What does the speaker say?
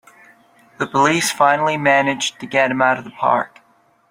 The police finally manage to get him out of the park!